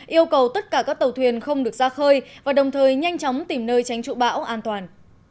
yêu cầu tất cả các tàu thuyền không được ra khơi và đồng thời nhanh chóng tìm nơi tránh trụ bão an toàn